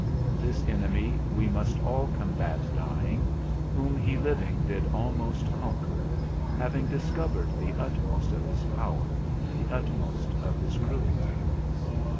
This enemy we must all combat dying, whom he living did almost conquer, having discovered the utmost of his power, the utmost of his cruelty.